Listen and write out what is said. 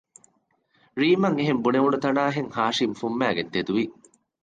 ރީމްއަށް އެހެން ބުނެވުނުތަނާހެން ހާޝިމް ފުންމައިގެން ތެދުވި